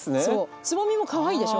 つぼみもかわいいでしょ？